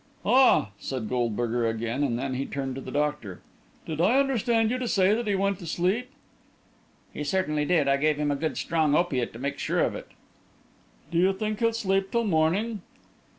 "Ah!" said Goldberger again; and then he turned to the doctor. "Did I understand you to say that he went to sleep?" "He certainly did. I gave him a good strong opiate to make sure of it." "Do you think he'll sleep till morning?"